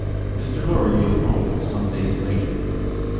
Mr Laurier followed some days later.